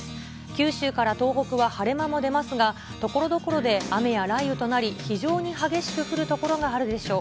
九州から東北は晴れ間も出ますが、所々で雨や雷雨となり、非常に激しく降る所があるでしょう。